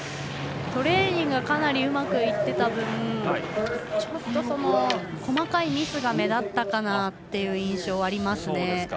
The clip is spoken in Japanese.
トレーニングがかなりうまくいっていた分細かいミスが目立ったかなという印象がありますね。